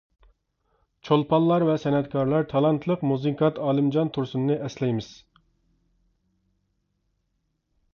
چولپانلار ۋە سەنئەتكارلار تالانتلىق مۇزىكانت ئالىمجان تۇرسۇننى ئەسلەيمىز!